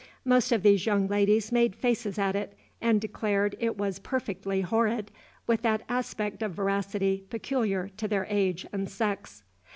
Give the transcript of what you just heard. Most of these young ladies made faces at it, and declared it was "perfectly horrid," with that aspect of veracity peculiar to their age and sex.